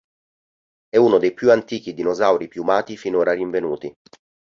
È uno dei più antichi dinosauri piumati finora rinvenuti.